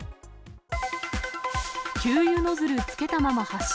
給油ノズルつけたまま発車。